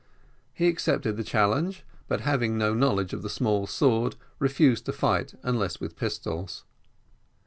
He accepted the challenge, but having no knowledge of the small sword, refused to fight unless with pistols.